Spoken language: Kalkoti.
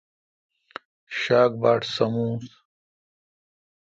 شاک باٹ سمونس